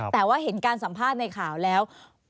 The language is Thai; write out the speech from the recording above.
แต่ว่าเห็นการสัมภาษณ์ในข่าวแล้ว